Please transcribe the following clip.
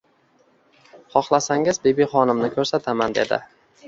— Xohlasangiz Bibixonimni ko’rsataman?.. – dedi.